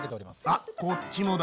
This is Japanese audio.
あっこっちもだ。